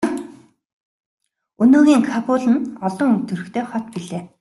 Өнөөгийн Кабул нь олон өнгө төрхтэй хот билээ.